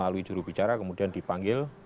lalu di jurubicara kemudian dipanggil